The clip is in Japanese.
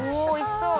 おいしい。